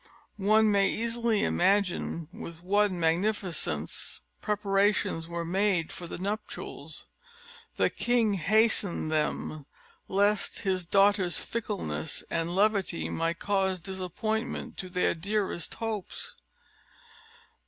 One may easily imagine with what magnificence preparations were made for the nuptials; the king hastened them, lest his daughter's fickleness and levity might cause disappointment to their dearest hopes.